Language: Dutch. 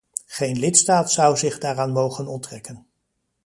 Geen lidstaat zou zich daaraan mogen onttrekken.